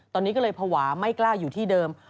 ตอนนี้ก็เลยภาวะไม่กล้าอยู่ที่เดิม